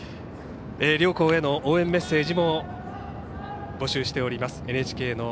両校への応援メッセージも募集しております。